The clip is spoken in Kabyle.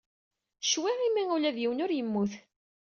Ccwi imi ula d yiwen ur yemmut.